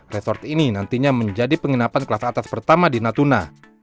resort ini nantinya menjadi penginapan kelas atas pertama di natuna